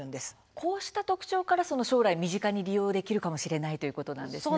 こうした特徴から将来、身近に利用できるかもしれないということなんですね。